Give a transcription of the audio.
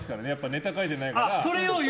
ネタ書いてないから。